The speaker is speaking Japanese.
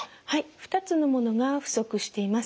２つのものが不足しています。